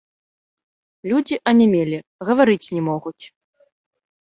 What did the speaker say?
Людзі анямелі, гаварыць не могуць.